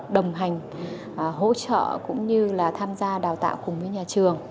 đồng hành hỗ trợ cũng như là tham gia đào tạo cùng với nhà trường